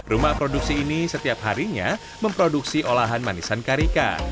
rumah produksi ini setiap harinya memproduksi olahan manisan karika